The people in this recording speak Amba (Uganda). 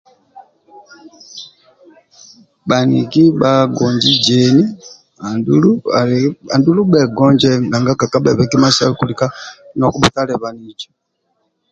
Bhaniki bhagonji jeni andulu ali bhegonje nanga kekabhebe kima sa kulika nokubhutalabanija